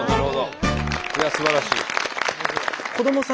いやすばらしい。